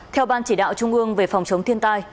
theo ban chỉ đạo trung ương về phòng chống thiên tai